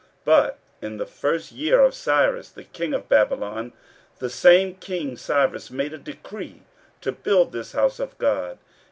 15:005:013 But in the first year of Cyrus the king of Babylon the same king Cyrus made a decree to build this house of God.